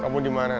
kamu dimana nay